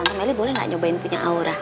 tante meli boleh gak nyobain punya aura